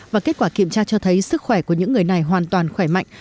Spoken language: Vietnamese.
và kết quả kiểm tra cho thấy sức khỏe của những người này hoàn toàn khỏe mạnh